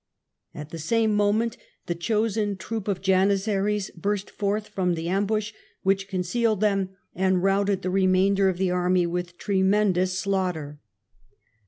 At the same moment the chosen troop of Janissaries burst forth from the ambush which concealed them, and routed the re mainder of the army with tremendous slaughter.